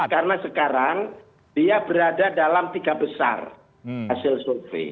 karena sekarang dia berada dalam tiga besar hasil survei